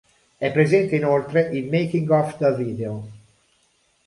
È presente inoltre il "Making of the video".